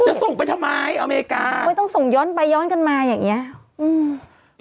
ส่งไปทำไมอเมริกาไม่ต้องส่งย้อนไปย้อนกันมาอย่างเงี้ยอืม